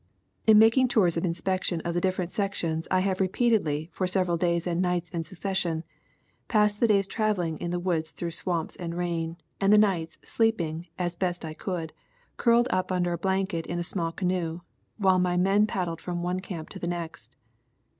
In making tours of inspection of the different sections I liave repeatedly, for several days and nights in succession, passed the days traveling in the woods through swamps and rain, and the nights sleeping as best I could, curled up imder a blanket in a small canoe, while my men paddled from one camp to the next.